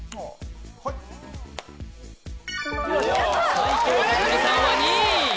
斎藤工さんは２位！